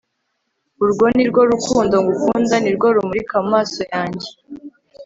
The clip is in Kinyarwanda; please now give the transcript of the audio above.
urwo nirwo rukundo ngukunda nirwo rumurika mu maso yanjye